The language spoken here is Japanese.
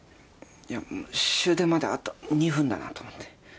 いや終電まであと２分だなと思って。